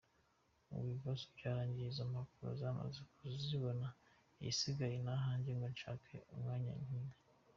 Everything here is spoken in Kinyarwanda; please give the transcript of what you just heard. ubu ibibazo byarangiye izo mpapuro namaze kuzibona igisigaye ni ahange ngo nshake umwanya nkine.